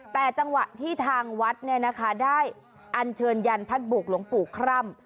แต่จังหวะที่ทางวัดได้อันเชิญยันพัดบุกหลวงปู่คร่ำ